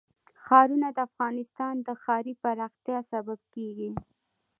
ښارونه د افغانستان د ښاري پراختیا سبب کېږي.